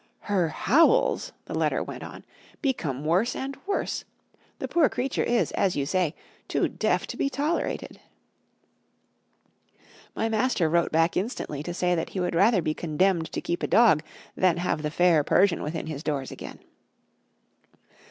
"Her howls," the letter went on, "become worse and worse. The poor creature is, as you say, too deaf to be tolerated." My master wrote back instantly to say that he would rather be condemned to keep a dog than have the fair Persian within his doors again.